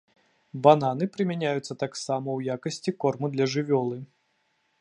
Бананы прымяняюцца таксама ў якасці корму для жывёлы.